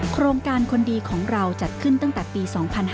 โครงการคนดีของเราจัดขึ้นตั้งแต่ปี๒๕๕๙